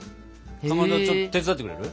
かまどちょっと手伝ってくれる？